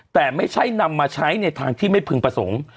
แต่ไม่ใช่นำมาใช้ในทางที่ไม่พึงประสงค์